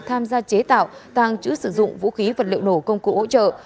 tham gia chế tạo tàng trữ sử dụng vũ khí vật liệu nổ công cụ hỗ trợ